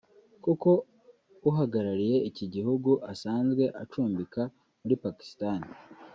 kuko uhagarariye iki gihugu asanzwe acumbika muri Pakistani